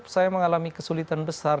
saya mengalami kesulitan besar